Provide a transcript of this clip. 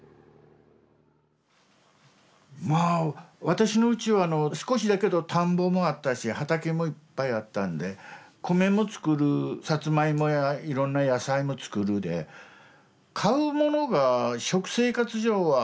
私のうちは少しだけど田んぼもあったし畑もいっぱいあったんで米も作るサツマイモやいろんな野菜も作るで買うものが食生活上はあんまりなくて。